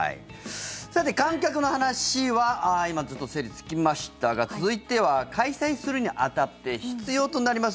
さて、観客の話は今、整理つきましたが続いては、開催するに当たって必要となります